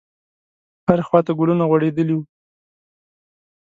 هرې خواته ګلونه غوړېدلي وو.